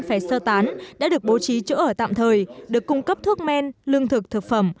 phải sơ tán đã được bố trí chỗ ở tạm thời được cung cấp thuốc men lương thực thực phẩm